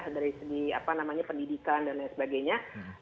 dari segi pendidikan dan lain sebagainya